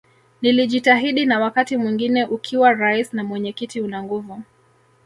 Nilijitahidi na wakati mwingine ukiwa Rais na mwenyekiti una nguvu